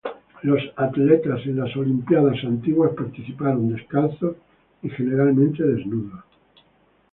Los atletas en las Olimpiadas Antiguas participaron descalzos y generalmente desnudos.